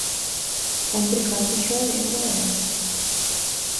Он прекрасный человек, говорят.